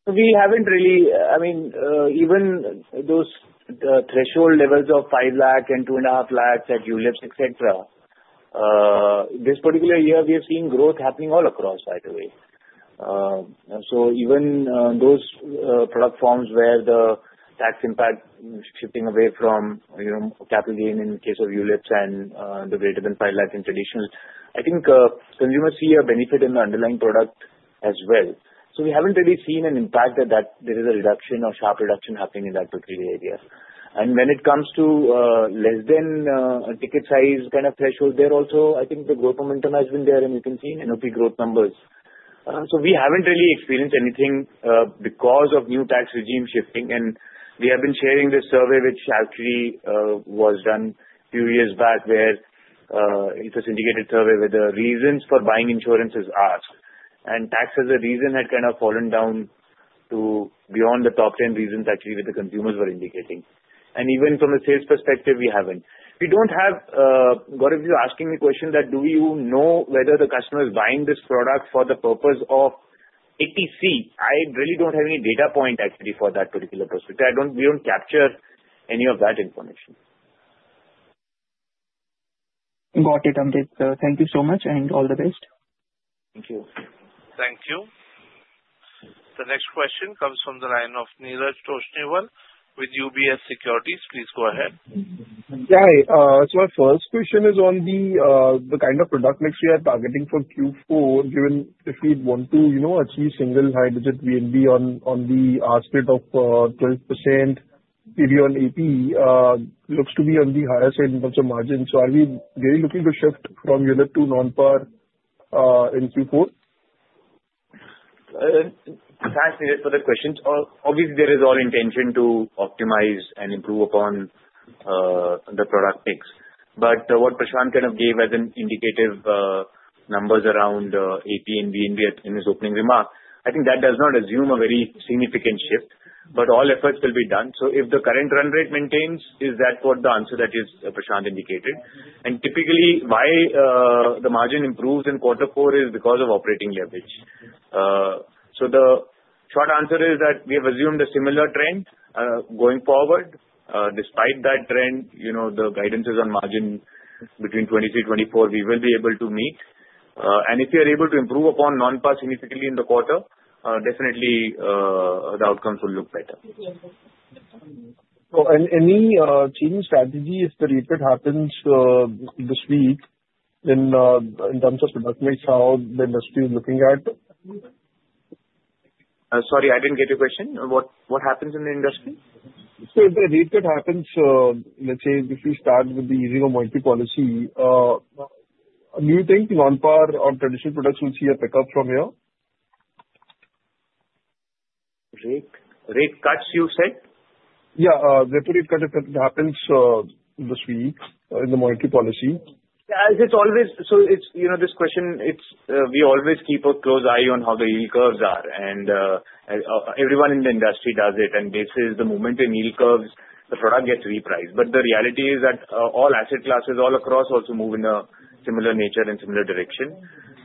We haven't really. I mean, even those threshold levels of 5 lakh and 2.5 lakh at ULIPs, etc. this particular year, we have seen growth happening all across, by the way. So even those product forms where the tax impact shifting away from capital gain in the case of ULIPs and the greater than 5 lakh in traditional, I think consumers see a benefit in the underlying product as well. So we haven't really seen an impact that there is a reduction or sharp reduction happening in that particular area. And when it comes to less than ticket size kind of threshold, there also, I think the growth momentum has been there and we can see in NOP growth numbers. So we haven't really experienced anything because of new tax regime shifting. We have been sharing this survey which actually was done a few years back where it was indicated survey where the reasons for buying insurance is asked. And tax as a reason had kind of fallen down to beyond the top 10 reasons actually that the consumers were indicating. And even from a sales perspective, we haven't. We don't have Gaurav. You're asking me a question that do you know whether the customer is buying this product for the purpose of ATC? I really don't have any data point actually for that particular perspective. We don't capture any of that information. Got it, Amrit. Thank you so much and all the best. Thank you. Thank you. The next question comes from the line of Neeraj Toshniwal with UBS Securities. Please go ahead. Hi. So my first question is on the kind of product mix we are targeting for Q4, given if we want to achieve single high-digit VNB on the aspect of 12% PB on AP, looks to be on the higher side in terms of margin. So are we really looking to shift from ULIP to non-PAR in Q4? Thanks for the question. Obviously, there is all intention to optimize and improve upon the product mix. But what Prashant kind of gave as an indicative numbers around AP and VNB in his opening remark, I think that does not assume a very significant shift, but all efforts will be done. So if the current run rate maintains, is that what the answer that Prashant indicated? And typically, why the margin improves in quarter four is because of operating leverage. So the short answer is that we have assumed a similar trend going forward. Despite that trend, the guidance is on margin between 23%-24%, we will be able to meet. And if you're able to improve upon non-PAR significantly in the quarter, definitely the outcomes will look better. And any changing strategy if the rate cut happens this week in terms of product mix, how the industry is looking at it? Sorry, I didn't get your question. What happens in the industry? So if the rate cut happens, let's say if we start with the easing of monetary policy, do you think non-PAR on traditional products will see a pickup from here? Rate cuts, you said? Yeah. Rate cut if it happens this week in the monetary policy. As it's always so this question, we always keep a close eye on how the yield curves are. Everyone in the industry does it. This is the movement in yield curves, the product gets repriced. The reality is that all asset classes all across also move in a similar nature and similar direction.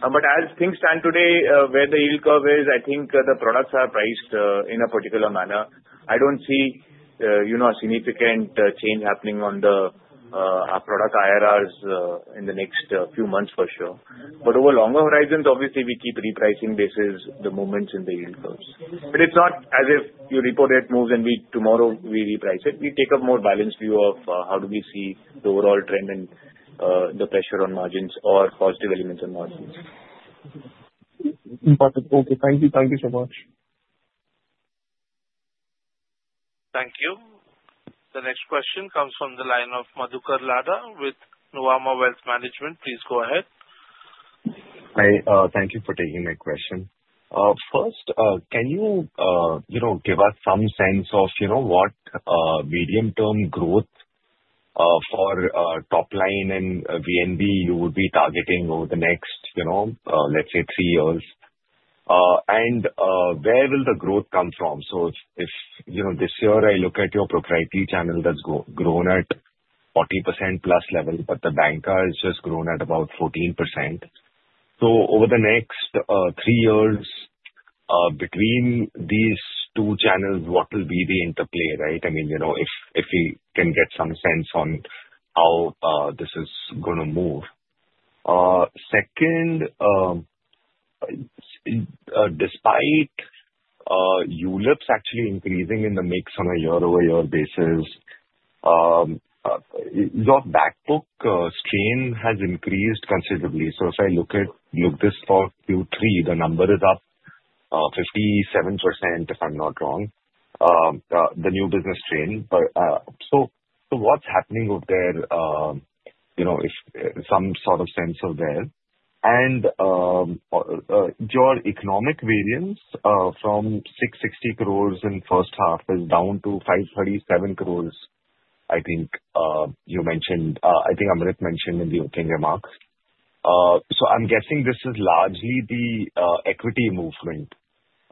As things stand today, where the yield curve is, I think the products are priced in a particular manner. I don't see a significant change happening on the product IRRs in the next few months for sure. Over longer horizons, obviously, we keep repricing basis the movements in the yield curves. It's not as if the yield curve moves and tomorrow we reprice it. We take a more balanced view of how do we see the overall trend and the pressure on margins or positive elements on margins. Okay. Thank you. Thank you so much. Thank you. The next question comes from the line of Madhukar Ladha with Nuvama Wealth Management. Please go ahead. Hi. Thank you for taking my question. First, can you give us some sense of what medium-term growth for top line and VNB you would be targeting over the next, let's say, three years? And where will the growth come from? So if this year I look at your proprietary channel that's grown at 40% plus level, but the bancassurance has just grown at about 14%. So over the next three years, between these two channels, what will be the interplay, right? I mean, if we can get some sense on how this is going to move. Second, despite ULIPs actually increasing in the mix on a year-over-year basis, your backbook strain has increased considerably. So if I look at this for Q3, the number is up 57%, if I'm not wrong, the new business strain. So what's happening over there if some sort of sense of where? And your economic variance from 660 crore in first half is down to 537 crore, I think you mentioned. I think Amrit mentioned in the opening remarks. So I'm guessing this is largely the equity movement.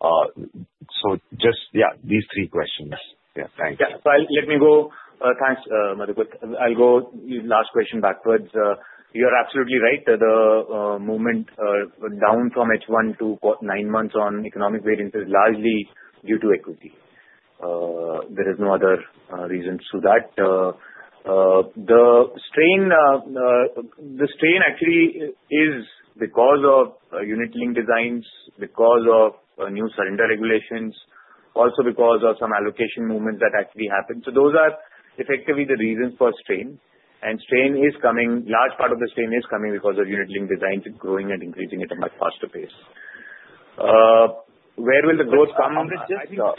So just, yeah, these three questions. Yeah. Thanks. Yeah. So let me go, thanks, Madhukar Ladha. I'll go last question backwards. You're absolutely right. The movement down from H1 to nine months on economic variance is largely due to equity. There is no other reason to that. The strain actually is because of unit link designs, because of new surrender regulations, also because of some allocation movements that actually happened. So those are effectively the reasons for strain. A large part of the strain is coming because of unit link designs growing and increasing at a much faster pace. Where will the growth come? Yeah.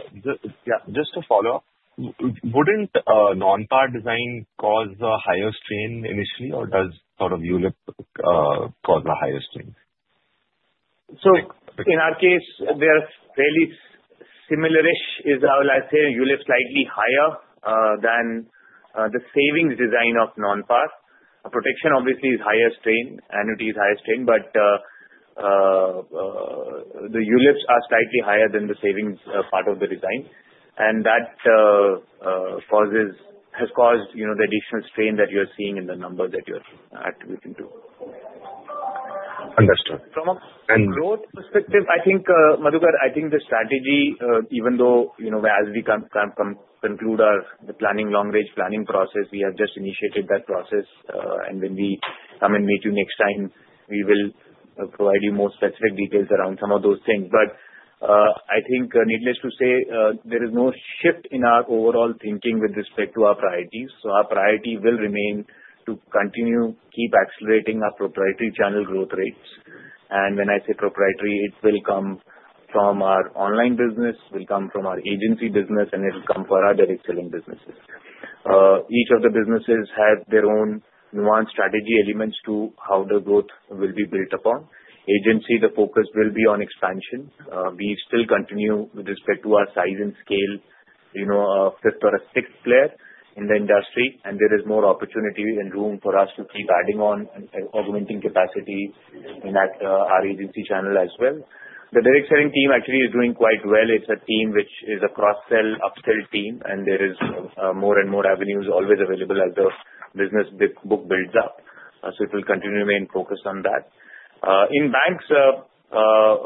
Just to follow up, wouldn't non-PAR design cause a higher strain initially, or does sort of ULIP cause a higher strain? So in our case, they are fairly similar-ish, is how I'll say. ULIP slightly higher than the savings design of non-PAR. Protection obviously is higher strain, annuities higher strain, but the ULIPs are slightly higher than the savings part of the design. And that has caused the additional strain that you're seeing in the numbers that you're attributing to. Understood. From a growth perspective, I think, Madhukar, I think the strategy, even though as we conclude the long-range planning process, we have just initiated that process. When we come and meet you next time, we will provide you more specific details around some of those things. I think needless to say, there is no shift in our overall thinking with respect to our priorities. Our priority will remain to continue keep accelerating our proprietary channel growth rates. When I say proprietary, it will come from our online business, will come from our agency business, and it will come for our direct selling businesses. Each of the businesses has their own nuanced strategy elements to how the growth will be built upon. Agency, the focus will be on expansion. We still continue with respect to our size and scale, a fifth or a sixth player in the industry. There is more opportunity and room for us to keep adding on and augmenting capacity in our agency channel as well. The direct selling team actually is doing quite well. It's a team which is a cross-sell, upsell team. And there are more and more avenues always available as the business book builds up. So it will continue to remain focused on that. In banks, the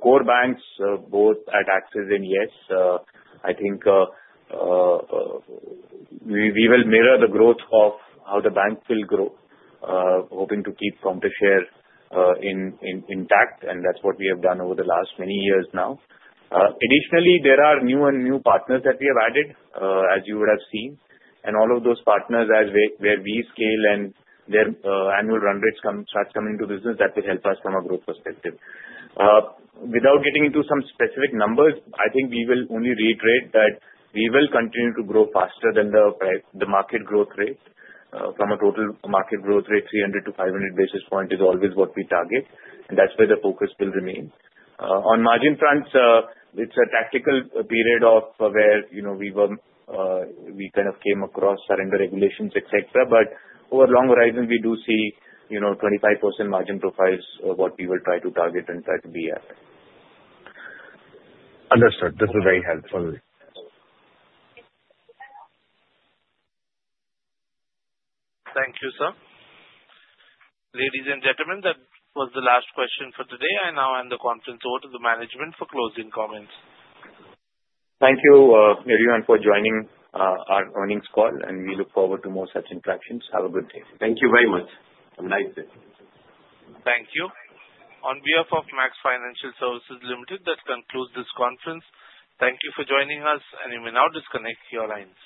core banks, both at Axis and Yes, I think we will mirror the growth of how the bank will grow, hoping to keep counter intact. And that's what we have done over the last many years now. Additionally, there are new and new partners that we have added, as you would have seen. And all of those partners, where we scale and their annual run rates start coming into business, that will help us from a growth perspective. Without getting into some specific numbers, I think we will only reiterate that we will continue to grow faster than the market growth rate. From a total market growth rate, 300 to 500 basis points is always what we target and that's where the focus will remain. On margin fronts, it's a tactical period of where we kind of came across surrender regulations, etc. but over long horizon, we do see 25% margin profiles, what we will try to target and try to be at. Understood. This is very helpful. Thank you, sir. Ladies and gentlemen, that was the last question for today. I now hand the conference over to the management for closing comments. Thank you, everyone, for joining our earnings call and we look forward to more such interactions. Have a good day. Thank you very much. Have a nice day. Thank you. On behalf of Max Financial Services Limited, that concludes this conference. Thank you for joining us and you may now disconnect. Your line.